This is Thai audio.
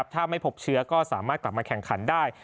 ถ้าไม่พบเชื้อก็สามารถกลับมาแข่งขันได้